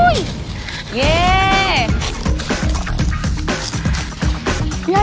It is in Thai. เยี่ยม